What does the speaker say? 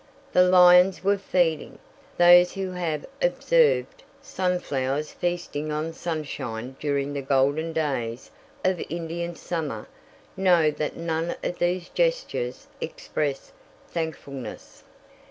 The lions were feeding. Those who have observed sunflowers feasting on sunshine during the golden days of Indian summer know that none of their gestures express thankfulness.